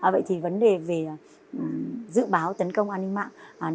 vậy thì vấn đề về dự báo tấn công an ninh mạng